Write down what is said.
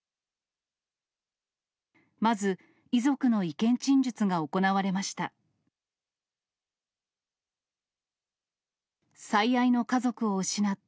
まず、遺族の意見陳述が行われました。